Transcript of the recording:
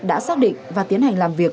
đã xác định và tiến hành làm việc